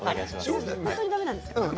本当にだめなんですか。